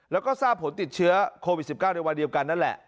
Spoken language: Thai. แล้วก็ทราบผลติดเชื้อโควิด๑๙ในวันเดียวกันนั่นแหละ